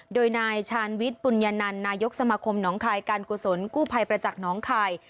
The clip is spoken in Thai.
โดยนายชาญวิทย์ปุญญานันนายกสมาคมหนองคายการกุศลกู้ภัยประจักษ์น้องคาย